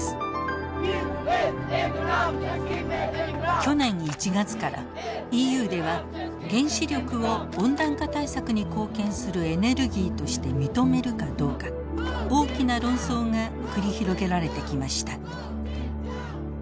去年１月からＥＵでは原子力を温暖化対策に貢献するエネルギーとして認めるかどうか大きな論争が繰り広げられてきました。